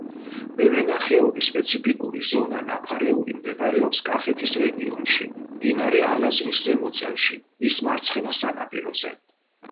მევენახეობის სპეციფიკური ზონა „ნაფარეული“ მდებარეობს კახეთის რეგიონში, მდინარე ალაზნის ზემო წელში, მის მარცხენა სანაპიროზე.